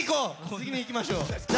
次にいきましょう。